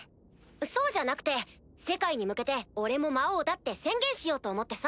そうじゃなくて世界に向けて「俺も魔王だ」って宣言しようと思ってさ！